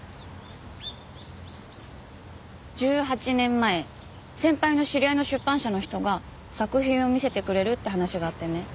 １８年前先輩の知り合いの出版社の人が作品を見てくれるって話があってね。